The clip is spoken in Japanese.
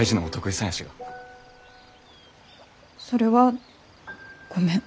それはごめん。